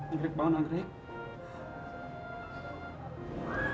anggrek bangun anggrek